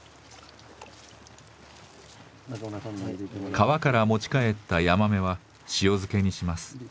川から持ち帰ったヤマメは塩漬けにします。